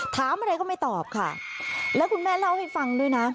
ถามอะไรก็ไม่ตอบค่ะแล้วคุณแม่เล่าให้ฟังด้วยนะ